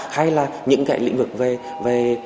hay là những lĩnh vực về